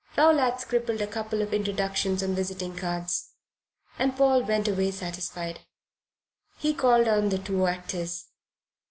Rowlatt scribbled a couple of introductions on visiting cards, and Paul went away satisfied. He called on the two actors.